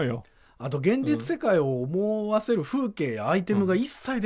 あと現実世界を思わせる風景やアイテムが一切出てこないという。